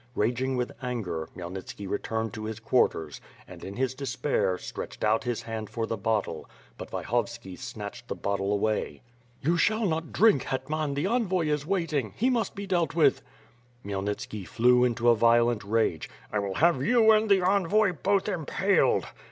Raging with anger, Khmyel nitski returned to his quarters and, in his despair, stretched out his hand for the bottle; but Vyhovski snatched the bottle away. "You shall not drink, hetman, the envoy is waiting. He must be dealt with." Khmyelnitski flew into a violent rage. "I will have you and the envoy both impaled!"